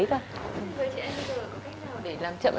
với chị em có cách nào để làm chậm